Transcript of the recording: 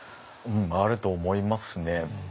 うんあると思いますね。